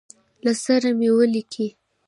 له سره مي ولیکی.